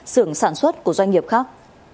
xưởng sản xuất của doanh nghiệp khác